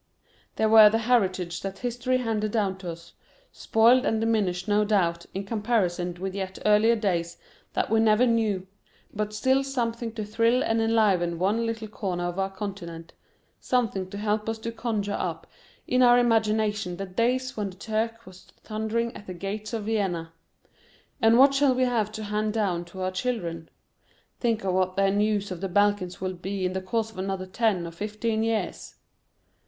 "They were the heritage that history handed down to us, spoiled and diminished no doubt, in comparison with yet earlier days that we never knew, but still something to thrill and enliven one little corner of our Continent, something to help us to conjure up in our imagination the days when the Turk was thundering at the gates of Vienna. And what shall we have to hand down to our children? Think of what their news from the Balkans will be in the course of another ten or fifteen years.